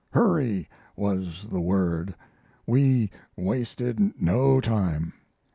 Hurry was the word! We wasted no time.